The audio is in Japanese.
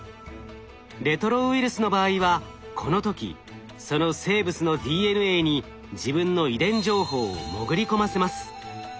レトロウイルスの場合はこの時その生物のＤＮＡに自分の遺伝情報を潜り込ませます。